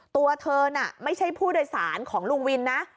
ตัวเธอน่ะไม่ใช่ผู้โดยสารของลุงวินนะ